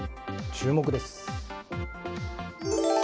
注目です。